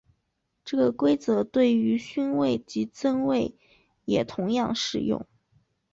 这个规则对于勋位及赠位也同样适用。